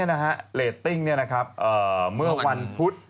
เรตติ้งเมื่อวันพุธ